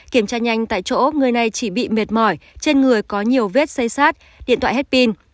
kiểm tra nhanh tại chỗ người này chỉ bị mệt mỏi trên người có nhiều vết xây sát điện thoại hết pin